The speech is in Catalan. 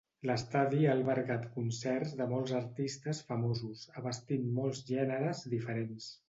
L'estadi ha albergat concerts de molts artistes famosos, abastint molts gèneres diferents.